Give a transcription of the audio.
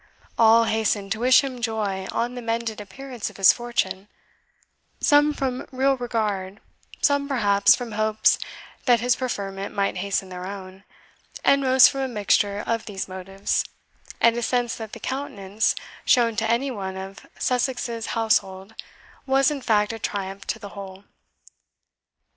All hastened to wish him joy on the mended appearance of his fortune some from real regard, some, perhaps, from hopes that his preferment might hasten their own, and most from a mixture of these motives, and a sense that the countenance shown to any one of Sussex's household was, in fact, a triumph to the whole.